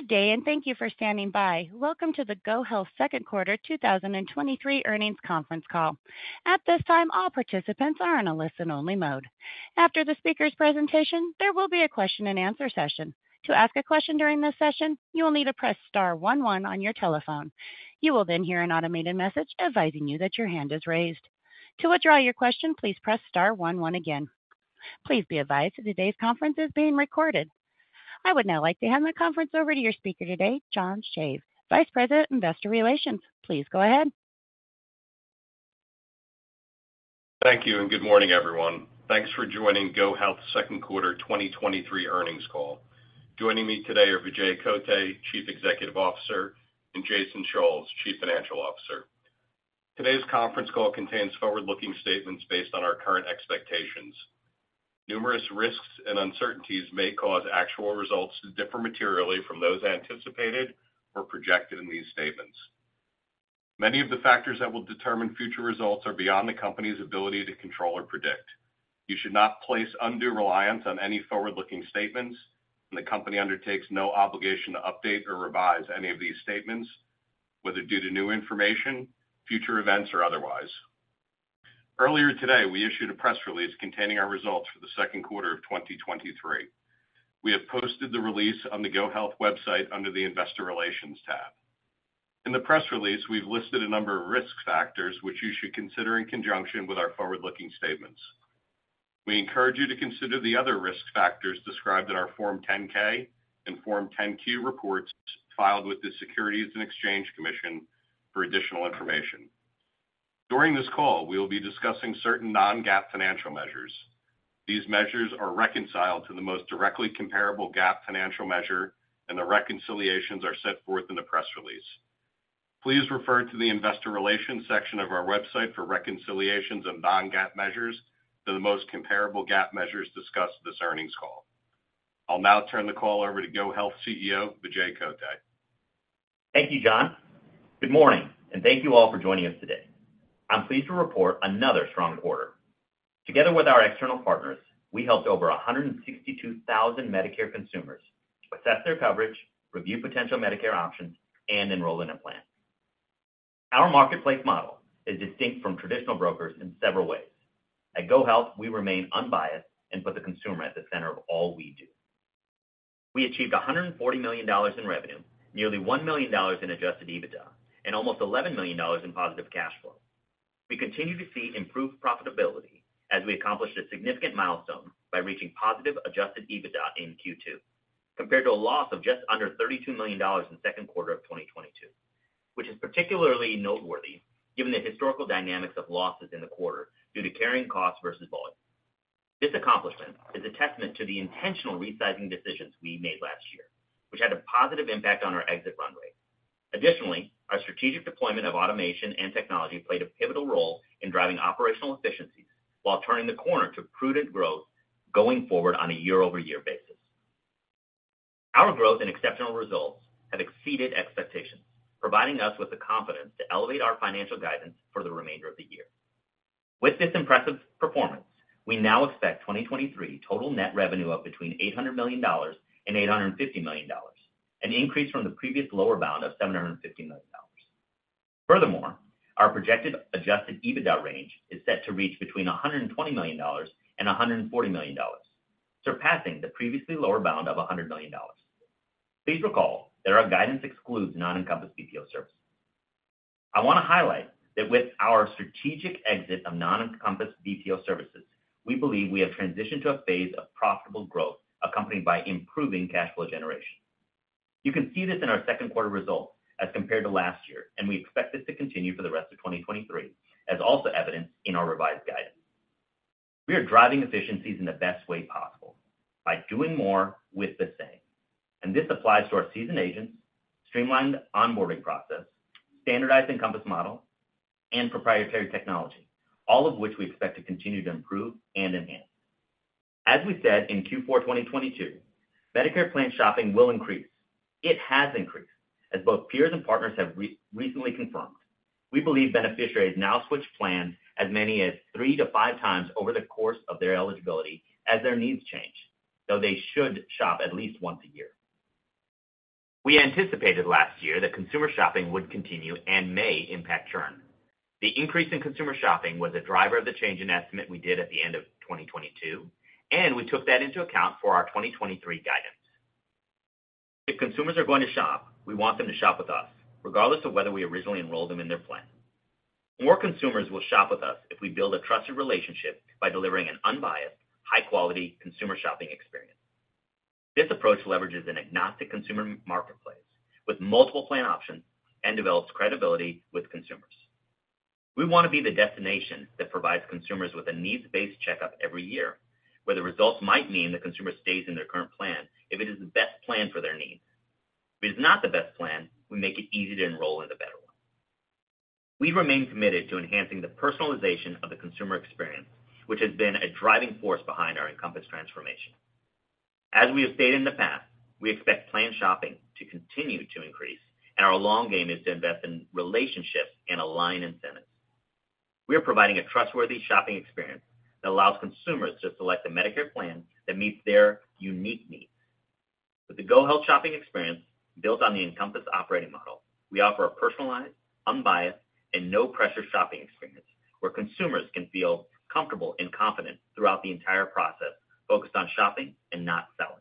Good day, thank you for standing by. Welcome to the GoHealth second quarter 2023 earnings conference call. At this time, all participants are in a listen-only mode. After the speaker's presentation, there will be a question-and-answer session. To ask a question during this session, you will need to press star one on your telephone. You will hear an automated message advising you that your hand is raised. To withdraw your question, please press star one again. Please be advised that today's conference is being recorded. I would now like to hand the conference over to your speaker today, John Schieszer, Vice President, Investor Relations. Please go ahead. Thank you. Good morning, everyone. Thanks for joining GoHealth second quarter 2023 earnings call. Joining me today are Vijay Kotte, Chief Executive Officer, and Jason Schulz, Chief Financial Officer. Today's conference call contains forward-looking statements based on our current expectations. Numerous risks and uncertainties may cause actual results to differ materially from those anticipated or projected in these statements. Many of the factors that will determine future results are beyond the company's ability to control or predict. You should not place undue reliance on any forward-looking statements. The company undertakes no obligation to update or revise any of these statements, whether due to new information, future events, or otherwise. Earlier today, we issued a press release containing our results for the second quarter of 2023. We have posted the release on the GoHealth website under the Investor Relations tab. In the press release, we've listed a number of risk factors which you should consider in conjunction with our forward-looking statements. We encourage you to consider the other risk factors described in our Form 10-K and Form 10-Q reports filed with the Securities and Exchange Commission for additional information. During this call, we will be discussing certain non-GAAP financial measures. These measures are reconciled to the most directly comparable GAAP financial measure, and the reconciliations are set forth in the press release. Please refer to the investor relations section of our website for reconciliations of non-GAAP measures to the most comparable GAAP measures discussed this earnings call. I'll now turn the call over to GoHealth CEO, Vijay Kotte. Thank you, John. Good morning, thank you all for joining us today. I'm pleased to report another strong quarter. Together with our external partners, we helped over 162,000 Medicare consumers assess their coverage, review potential Medicare options, and enroll in a plan. Our marketplace model is distinct from traditional brokers in several ways. At GoHealth, we remain unbiased and put the consumer at the center of all we do. We achieved $140 million in revenue, nearly $1 million in adjusted EBITDA, and almost $11 million in positive cash flow. We continue to see improved profitability as we accomplished a significant milestone by reaching positive Adjusted EBITDA in Q2, compared to a loss of just under $32 million in the second quarter of 2022, which is particularly noteworthy given the historical dynamics of losses in the quarter due to carrying costs versus volume. This accomplishment is a testament to the intentional resizing decisions we made last year, which had a positive impact on our exit runway. Additionally, our strategic deployment of automation and technology played a pivotal role in driving operational efficiencies while turning the corner to prudent growth going forward on a year-over-year basis. Our growth and exceptional results have exceeded expectations, providing us with the confidence to elevate our financial guidance for the remainder of the year. With this impressive performance, we now expect 2023 total net revenue of between $800 million and $850 million, an increase from the previous lower bound of $750 million. Furthermore, our projected Adjusted EBITDA range is set to reach between $120 million and $140 million, surpassing the previously lower bound of $100 million. Please recall that our guidance excludes non-Encompass BPO services. I want to highlight that with our strategic exit of non-Encompass BPO services, we believe we have transitioned to a phase of profitable growth, accompanied by improving cash flow generation. You can see this in our second quarter results as compared to last year. We expect this to continue for the rest of 2023, as also evidenced in our revised guidance. We are driving efficiencies in the best way possible by doing more with the same, and this applies to our seasoned agents, streamlined onboarding process, standardized Encompass model, and proprietary technology, all of which we expect to continue to improve and enhance. As we said in Q4 2022, Medicare plan shopping will increase. It has increased, as both peers and partners have recently confirmed. We believe beneficiaries now switch plans as many as three to five times over the course of their eligibility as their needs change, though they should shop at least once a year. We anticipated last year that consumer shopping would continue and may impact churn. The increase in consumer shopping was a driver of the change in estimate we did at the end of 2022, and we took that into account for our 2023 guidance. If consumers are going to shop, we want them to shop with us, regardless of whether we originally enrolled them in their plan. More consumers will shop with us if we build a trusted relationship by delivering an unbiased, high-quality consumer shopping experience. This approach leverages an agnostic consumer marketplace with multiple plan options and develops credibility with consumers. We want to be the destination that provides consumers with a needs-based checkup every year, where the results might mean the consumer stays in their current plan if it is the best plan for their needs. If it is not the best plan, we make it easy to enroll in the better one. We remain committed to enhancing the personalization of the consumer experience, which has been a driving force behind our Encompass transformation. As we have stated in the past, we expect plan shopping to continue to increase. Our long game is to invest in relationships and align incentives. We are providing a trustworthy shopping experience that allows consumers to select a Medicare plan that meets their unique needs. With the GoHealth shopping experience, built on the Encompass operating model, we offer a personalized, unbiased, and no-pressure shopping experience, where consumers can feel comfortable and confident throughout the entire process, focused on shopping and not selling.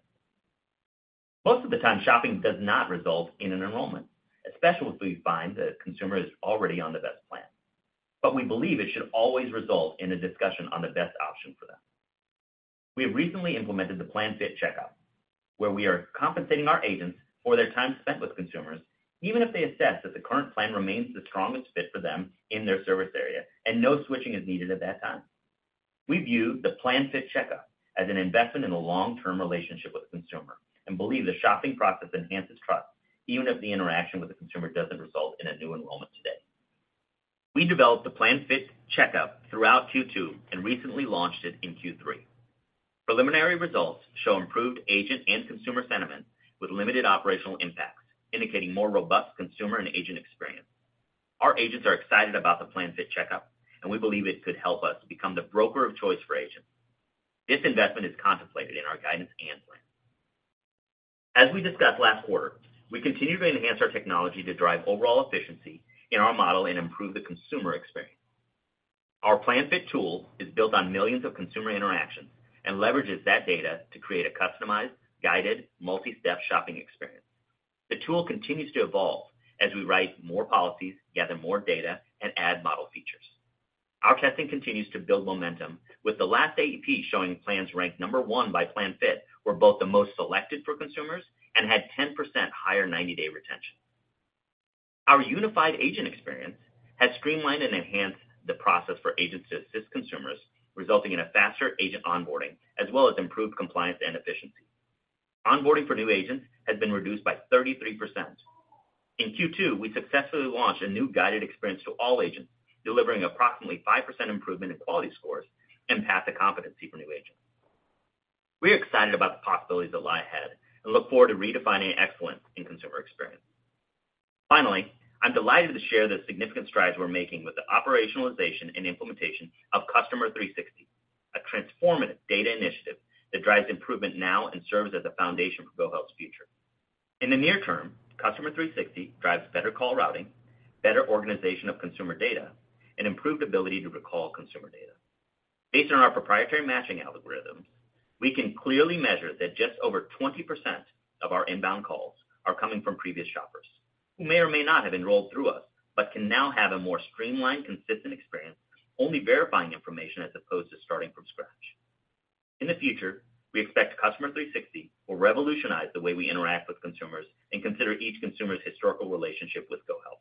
Most of the time, shopping does not result in an enrollment, especially if we find that a consumer is already on the best plan. We believe it should always result in a discussion on the best option for them. We have recently implemented the PlanFit CheckUp, where we are compensating our agents for their time spent with consumers, even if they assess that the current plan remains the strongest fit for them in their service area, and no switching is needed at that time. We view the PlanFit CheckUp as an investment in the long-term relationship with the consumer and believe the shopping process enhances trust, even if the interaction with the consumer doesn't result in a new enrollment today. We developed the PlanFit CheckUp throughout Q2 and recently launched it in Q3. Preliminary results show improved agent and consumer sentiment with limited operational impacts, indicating more robust consumer and agent experience. Our agents are excited about the PlanFit CheckUp, and we believe it could help us become the broker of choice for agents. This investment is contemplated in our guidance and plan. As we discussed last quarter, we continue to enhance our technology to drive overall efficiency in our model and improve the consumer experience. Our PlanFit tool is built on millions of consumer interactions and leverages that data to create a customized, guided, multi-step shopping experience. The tool continues to evolve as we write more policies, gather more data, and add model features. Our testing continues to build momentum, with the last AEP showing plans ranked number one by PlanFit were both the most selected for consumers and had 10% higher ninety-day retention. Our unified agent experience has streamlined and enhanced the process for agents to assist consumers, resulting in a faster agent onboarding, as well as improved compliance and efficiency. Onboarding for new agents has been reduced by 33%. In Q2, we successfully launched a new guided experience to all agents, delivering approximately 5% improvement in quality scores and path to competency for new agents. We are excited about the possibilities that lie ahead and look forward to redefining excellence in consumer experience. Finally, I'm delighted to share the significant strides we're making with the operationalization and implementation of Customer 360, a transformative data initiative that drives improvement now and serves as the foundation for GoHealth's future. In the near term, Customer 360 drives better call routing, better organization of consumer data, and improved ability to recall consumer data. Based on our proprietary matching algorithms, we can clearly measure that just over 20% of our inbound calls are coming from previous shoppers, who may or may not have enrolled through us, but can now have a more streamlined, consistent experience, only verifying information as opposed to starting from scratch. In the future, we expect Customer 360 will revolutionize the way we interact with consumers and consider each consumer's historical relationship with GoHealth.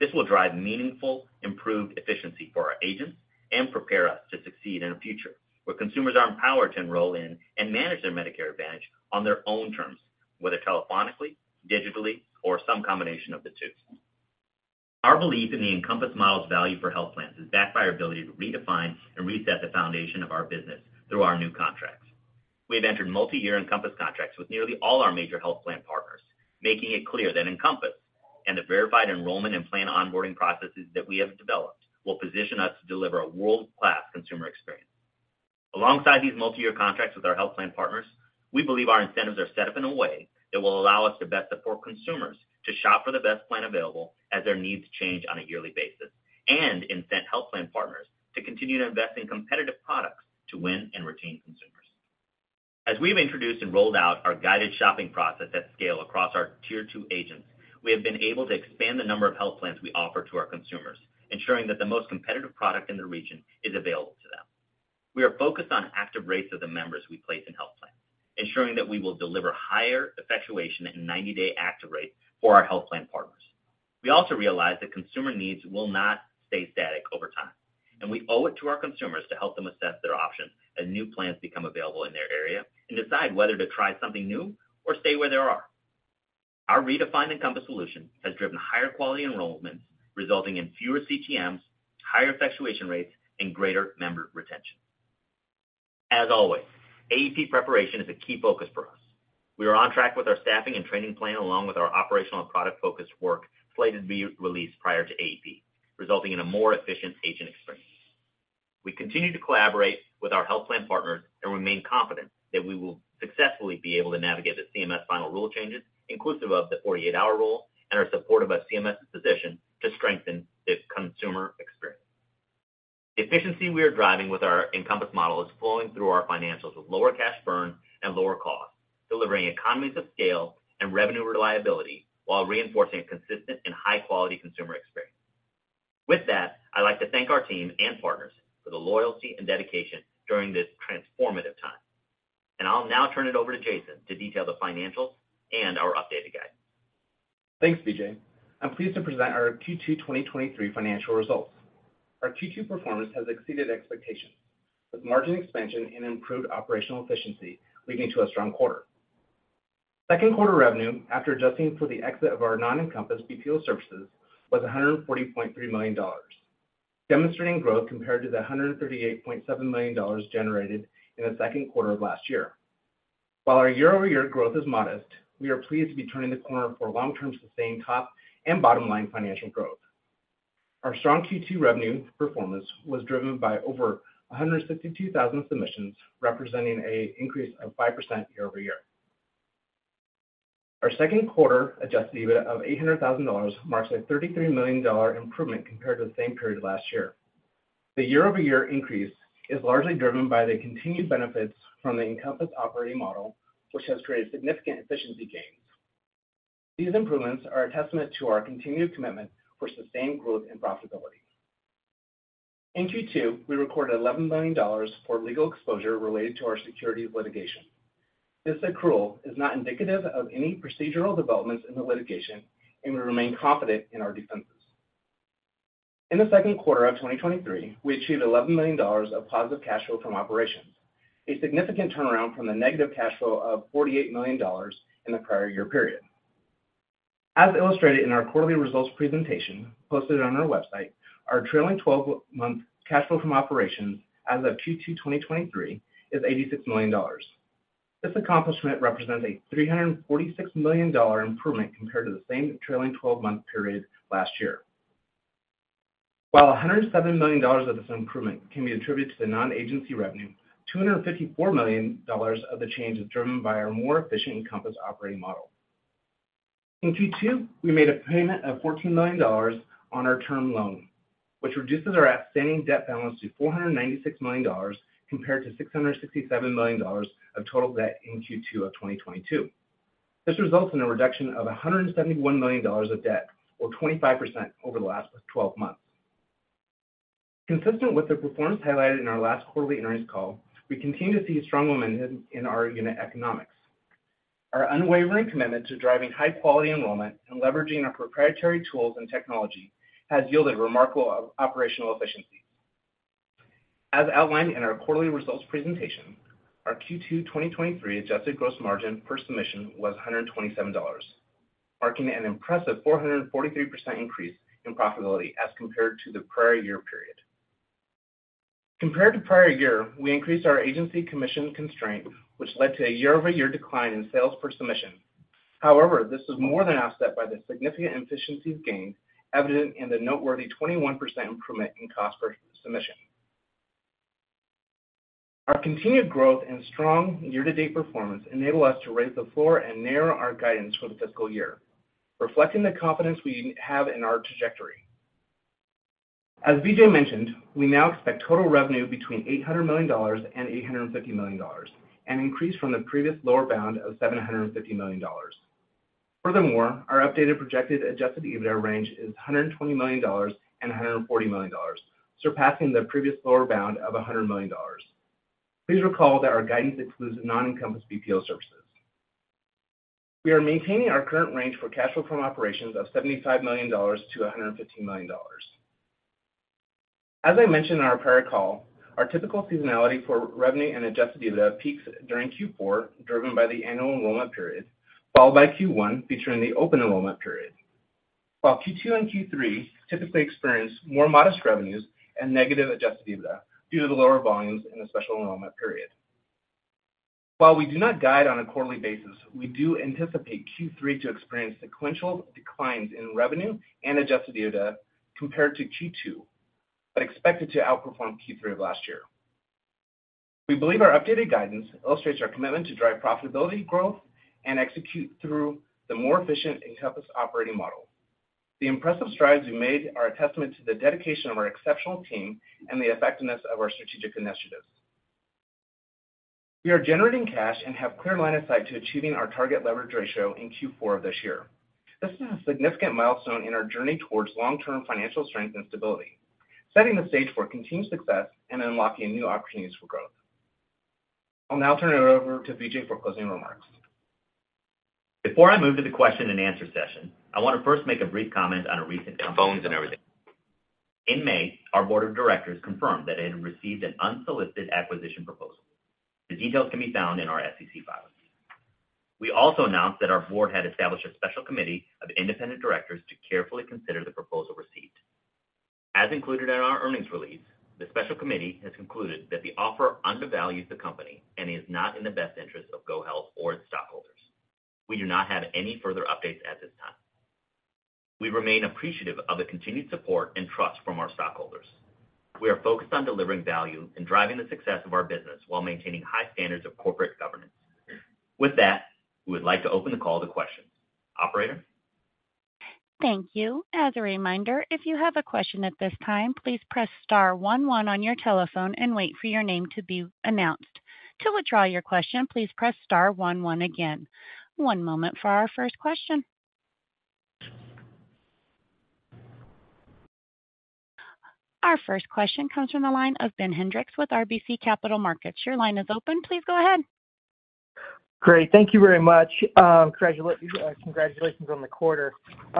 This will drive meaningful, improved efficiency for our agents and prepare us to succeed in a future where consumers are empowered to enroll in and manage their Medicare Advantage on their own terms, whether telephonically, digitally, or some combination of the two. Our belief in the Encompass model's value for health plans is backed by our ability to redefine and reset the foundation of our business through our new contracts. We have entered multiyear Encompass contracts with nearly all our major health plan partners, making it clear that Encompass and the verified enrollment and plan onboarding processes that we have developed will position us to deliver a world-class consumer experience. Alongside these multiyear contracts with our health plan partners, we believe our incentives are set up in a way that will allow us to best support consumers to shop for the best plan available as their needs change on a yearly basis, and incent health plan partners to continue to invest in competitive products to win and retain consumers. As we've introduced and rolled out our guided shopping process at scale across our Tier 2 agents, we have been able to expand the number of health plans we offer to our consumers, ensuring that the most competitive product in the region is available to them. We are focused on active rates of the members we place in health plans, ensuring that we will deliver higher effectuation and ninety-day active rates for our health plan partners. We also realize that consumer needs will not stay static over time, and we owe it to our consumers to help them assess their options as new plans become available in their area and decide whether to try something new or stay where they are. Our redefined Encompass solution has driven higher quality enrollments, resulting in fewer CTMs, higher effectuation rates, and greater member retention. As always, AEP preparation is a key focus for us. We are on track with our staffing and training plan, along with our operational and product-focused work slated to be released prior to AEP, resulting in a more efficient agent experience. We continue to collaborate with our health plan partners and remain confident that we will successfully be able to navigate the CMS Final Rule changes, inclusive of the 48-hour rule, and are supported by CMS's position to strengthen the consumer experience. Efficiency we are driving with our Encompass model is flowing through our financials with lower cash burn and lower costs, delivering economies of scale and revenue reliability while reinforcing a consistent and high-quality consumer experience. With that, I'd like to thank our team and partners for the loyalty and dedication during this transformative time. I'll now turn it over to Jason to detail the financials and our updated guide. Thanks, Vijay. I'm pleased to present our Q2 2023 financial results. Our Q2 performance has exceeded expectations, with margin expansion and improved operational efficiency leading to a strong quarter. Second quarter revenue, after adjusting for the exit of our non-Encompass BPO services, was $140.3 million, demonstrating growth compared to the $138.7 million generated in the second quarter of last year. While our year-over-year growth is modest, we are pleased to be turning the corner for long-term sustained top and bottom line financial growth. Our strong Q2 revenue performance was driven by over 162,000 submissions, representing an increase of 5% year-over-year. Our second quarter Adjusted EBITDA of $800,000 marks a $33 million improvement compared to the same period last year. The year-over-year increase is largely driven by the continued benefits from the Encompass operating model, which has created significant efficiency gains. These improvements are a testament to our continued commitment for sustained growth and profitability. In Q2, we recorded $11 million for legal exposure related to our securities litigation. This accrual is not indicative of any procedural developments in the litigation, and we remain confident in our defenses. In the second quarter of 2023, we achieved $11 million of positive cash flow from operations, a significant turnaround from the negative cash flow of $48 million in the prior year period. As illustrated in our quarterly results presentation posted on our website, our trailing twelve-month cash flow from operations as of Q2 2023 is $86 million. This accomplishment represents a $346 million improvement compared to the same trailing twelve-month period last year. While $107 million of this improvement can be attributed to the non-agency revenue, $254 million of the change is driven by our more efficient Encompass operating model. In Q2, we made a payment of $14 million on our term loan, which reduces our outstanding debt balance to $496 million compared to $667 million of total debt in Q2 of 2022. This results in a reduction of $171 million of debt, or 25%, over the last twelve months. Consistent with the performance highlighted in our last quarterly earnings call, we continue to see strong momentum in our unit economics. Our unwavering commitment to driving high quality enrollment and leveraging our proprietary tools and technology has yielded remarkable operational efficiencies. As outlined in our quarterly results presentation, our Q2 2023 adjusted gross margin per submission was $127, marking an impressive 443% increase in profitability as compared to the prior year period. Compared to prior year, we increased our agency commission constraint, which led to a year-over-year decline in sales per submission. However, this is more than offset by the significant efficiencies gained, evident in the noteworthy 21% improvement in cost per submission. Our continued growth and strong year-to-date performance enable us to raise the floor and narrow our guidance for the fiscal year, reflecting the confidence we have in our trajectory. As Vijay mentioned, we now expect total revenue between $800 million and $850 million, an increase from the previous lower bound of $750 million. Furthermore, our updated projected Adjusted EBITDA range is $120 million-$140 million, surpassing the previous lower bound of $100 million. Please recall that our guidance excludes non-Encompass BPO services. We are maintaining our current range for cash flow from operations of $75 million-$115 million. As I mentioned in our prior call, our typical seasonality for revenue and Adjusted EBITDA peaks during Q4, driven by the annual enrollment period, followed by Q1, featuring the open enrollment period, while Q2 and Q3 typically experience more modest revenues and negative Adjusted EBITDA due to the lower volumes in the special enrollment period. While we do not guide on a quarterly basis, we do anticipate Q3 to experience sequential declines in revenue and Adjusted EBITDA compared to Q2, but expect it to outperform Q3 of last year. We believe our updated guidance illustrates our commitment to drive profitability, growth, and execute through the more efficient Encompass operating model. The impressive strides we made are a testament to the dedication of our exceptional team and the effectiveness of our strategic initiatives. We are generating cash and have clear line of sight to achieving our target leverage ratio in Q4 of this year. This is a significant milestone in our journey towards long-term financial strength and stability, setting the stage for continued success and unlocking new opportunities for growth. I'll now turn it over to Vijay for closing remarks. Before I move to the question and answer session, I want to first make a brief comment on a recent development. In May, our board of directors confirmed that it had received an unsolicited acquisition proposal. The details can be found in our SEC filings. We also announced that our board had established a special committee of independent directors to carefully consider the proposal received. As included in our earnings release, the special committee has concluded that the offer undervalues the company and is not in the best interest of GoHealth or its stockholders. We do not have any further updates at this time. We remain appreciative of the continued support and trust from our stockholders. We are focused on delivering value and driving the success of our business while maintaining high standards of corporate governance. With that, we would like to open the call to questions. Operator? Thank you. As a reminder, if you have a question at this time, please press star one one on your telephone and wait for your name to be announced. To withdraw your question, please press star one one again. One moment for our first question. Our first question comes from the line of Ben Hendrix with RBC Capital Markets. Your line is open. Please go ahead. Great, thank you very much. congratulations on the quarter.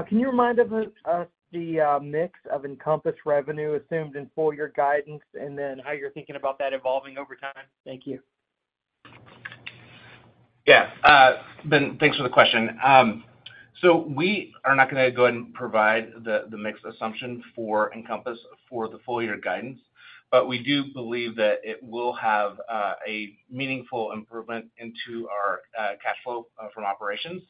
Can you remind us, us the, mix of Encompass revenue assumed in full year guidance, and then how you're thinking about that evolving over time? Thank you. Yeah. Ben, thanks for the question. We are not going to go ahead and provide the, the mixed assumption for Encompass for the full year guidance, but we do believe that it will have a meaningful improvement into our cash flow from operations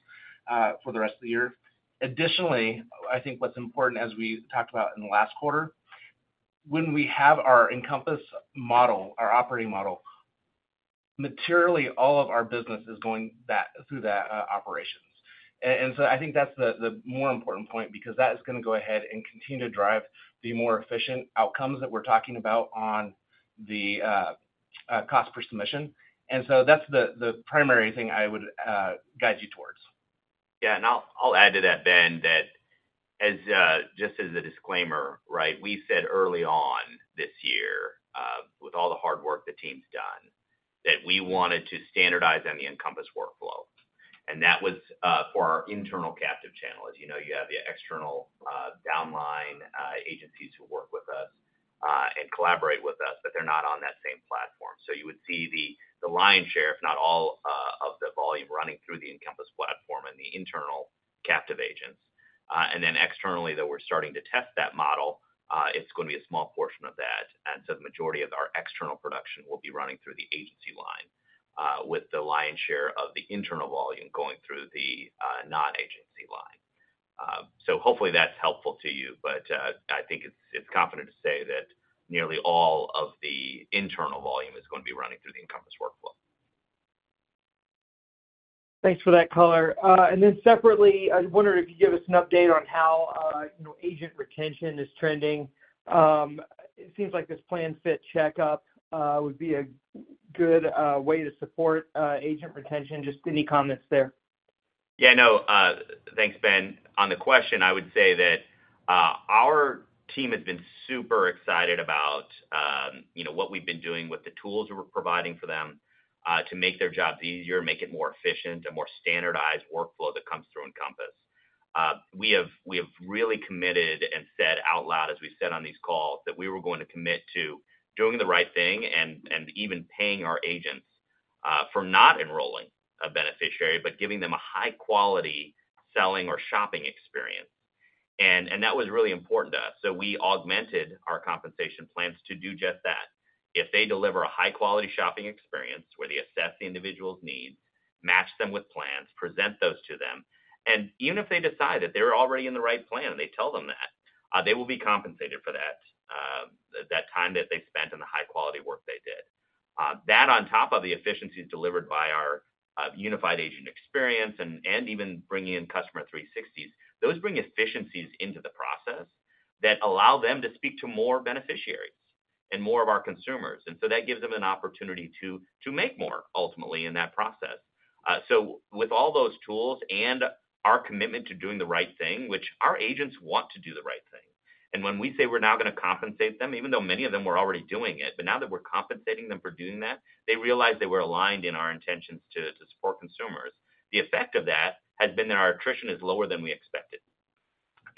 for the rest of the year. Additionally, I think what's important, as we talked about in the last quarter, when we have our Encompass model, our operating model, materially, all of our business is going through that operations. I think that's the, the more important point, because that is going to go ahead and continue to drive the more efficient outcomes that we're talking about on the cost per submission. That's the, the primary thing I would guide you towards. Yeah, and I'll, I'll add to that, Ben, that as, just as a disclaimer, right? We said early on this year, with all the hard work the team's done, that we wanted to standardize on the Encompass workflow. And that was, for our internal captive channel. As you know, you have the external, downline, agencies who work with us, and collaborate with us, but they're not on that same platform. So you would see the, the lion's share, if not all, of the volume running through the Encompass platform and the internal captive agents. Then externally, though, we're starting to test that model, it's going to be a small portion of that, so the majority of our external production will be running through the agency line, with the lion's share of the internal volume going through the non-agency line. Hopefully that's helpful to you, but I think it's, it's confident to say that nearly all of the internal volume is going to be running through the Encompass workflow. Thanks for that color. Then separately, I was wondering if you could give us an update on how, you know, agent retention is trending. It seems like this PlanFit CheckUp would be a good way to support agent retention. Just any comments there? Yeah, no. Thanks, Ben. On the question, I would say that our team has been super excited about, you know, what we've been doing with the tools that we're providing for them to make their jobs easier, make it more efficient, a more standardized workflow that comes through Encompass. We have, we have really committed and said out loud, as we've said on these calls, that we were going to commit to doing the right thing and even paying our agents for not enrolling a beneficiary, but giving them a high-quality selling or shopping experience. That was really important to us. So we augmented our compensation plans to do just that. If they deliver a high-quality shopping experience where they assess the individual's needs, match them with plans, present those to them, and even if they decide that they're already in the right plan, and they tell them that, they will be compensated for that, that time that they spent and the high-quality work they did. That on top of the efficiencies delivered by our unified agent experience and, and even bringing in Customer 360, those bring efficiencies into the process that allow them to speak to more beneficiaries and more of our consumers. That gives them an opportunity to, to make more ultimately in that process. With all those tools and our commitment to doing the right thing, which our agents want to do the right thing. When we say we're now going to compensate them, even though many of them were already doing it, but now that we're compensating them for doing that, they realize that we're aligned in our intentions to support consumers. The effect of that has been that our attrition is lower than we expected,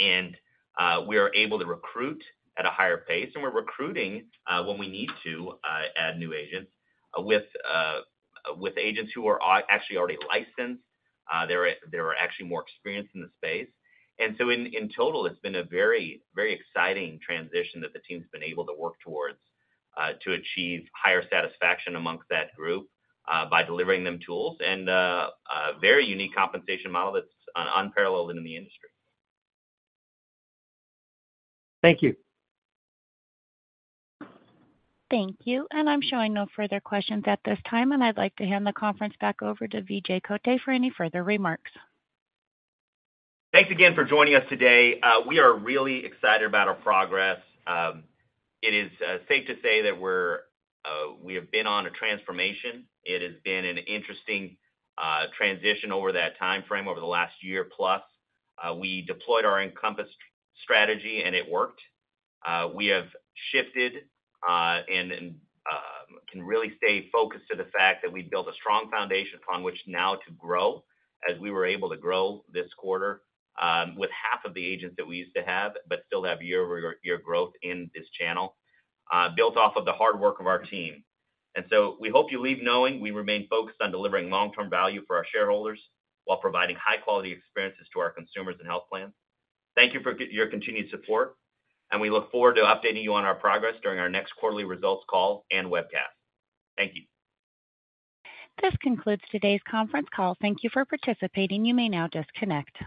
and we are able to recruit at a higher pace, and we're recruiting when we need to add new agents, with agents who are actually already licensed, they are, they are actually more experienced in the space. So in, in total, it's been a very, very exciting transition that the team's been able to work towards to achieve higher satisfaction amongst that group, by delivering them tools and a very unique compensation model that's unparalleled in the industry. Thank you. Thank you. I'm showing no further questions at this time. I'd like to hand the conference back over to Vijay Kotte for any further remarks. Thanks again for joining us today. We are really excited about our progress. It is safe to say that we're we have been on a transformation. It has been an interesting transition over that time frame, over the last year plus. We deployed our Encompass strategy, and it worked. We have shifted, can really stay focused to the fact that we've built a strong foundation upon which now to grow, as we were able to grow this quarter, with half of the agents that we used to have, but still have year-over-year growth in this channel, built off of the hard work of our team. So we hope you leave knowing we remain focused on delivering long-term value for our shareholders while providing high-quality experiences to our consumers and health plans. Thank you for your continued support, and we look forward to updating you on our progress during our next quarterly results call and webcast. Thank you. This concludes today's conference call. Thank you for participating. You may now disconnect.